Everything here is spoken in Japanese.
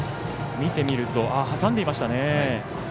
見てみると、挟んでいました。